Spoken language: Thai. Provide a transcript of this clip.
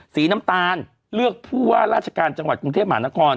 สีน้ำตาลเลือกผู้ว่าราชการจังหวัดกรุงเทพมหานคร